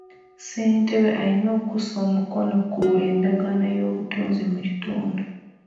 Ssentebe alina okussa omukono ku buli ndagaano y'obutunzi mu kitundu.